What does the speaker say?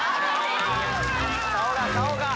顔が顔が！